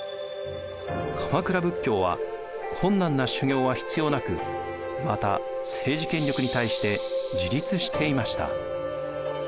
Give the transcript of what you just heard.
鎌倉仏教は困難な修行は必要なくまた政治権力に対して自立していました。